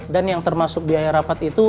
dan yang termasuk biaya rapat itu